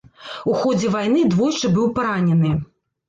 У ходзе вайны двойчы быў паранены.